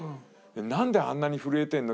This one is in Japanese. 「なんであんなに震えてるの？